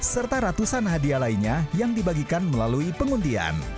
serta ratusan hadiah lainnya yang dibagikan melalui penguntian